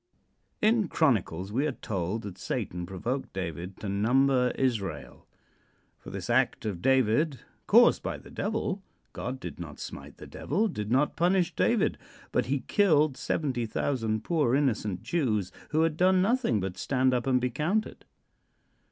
In Chronicles we are told that Satan provoked David to number Israel. For this act of David, caused by the Devil, God did not smite the Devil, did not punish David, but he killed 70,000 poor innocent Jews who had done nothing but stand up and be counted.